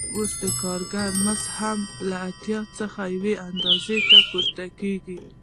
اوس د کارګر مزد هم له اتیا څخه یوې اندازې ته پورته کېږي